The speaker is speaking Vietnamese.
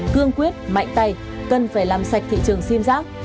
cương quyết mạnh tay cần phải làm sạch thị trường xim rác